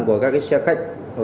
của các xe khách